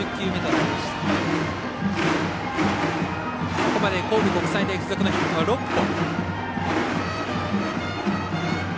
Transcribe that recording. ここまで神戸国際大付属のヒットが６本。